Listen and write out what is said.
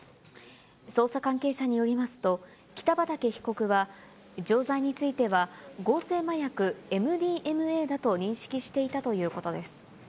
捜査関係者によりますと、北畠被告は、錠剤については合成麻薬ＭＤＭＡだと認識していたということです。